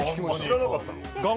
知らなかったの？